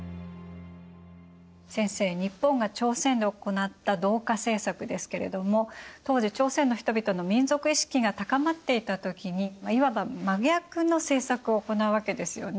先生日本が朝鮮で行った同化政策ですけれども当時朝鮮の人々の民族意識が高まっていた時にいわば真逆の政策を行うわけですよね。